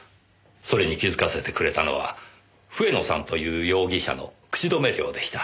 それに気づかせてくれたのは笛野さんという容疑者の口止め料でした。